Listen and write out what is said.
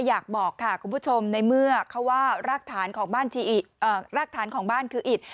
อยากบอกคุณผู้ชมในเมื่อเขาว่ารากฐานของบ้านคืออิต